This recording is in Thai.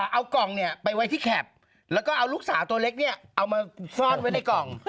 เอากล่องเนี่ยไปไว้ที่แขบแล้วก็เอาลูกสาวตัวเล็กใส่กล่อง